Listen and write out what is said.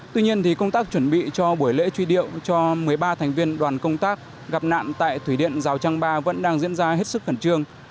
tuy nhiên công tác chuẩn bị cho buổi lễ truy điệu cho một mươi ba thành viên đoàn công tác gặp nạn tại thủy điện rào trăng ba vẫn đang diễn ra hết sức khẩn trương